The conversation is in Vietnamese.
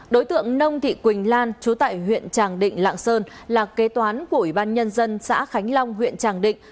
đối tượng nông thị quỳnh lan chú tại huyện tràng định lạng sơn là kế toán của ủy ban nhân dân xã khánh long huyện tràng định